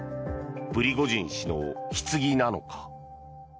プリゴジン氏のひつぎなのか。